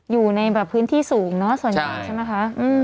อยู่ในแบบพื้นที่สูงเนอะส่วนใหญ่ใช่ไหมคะ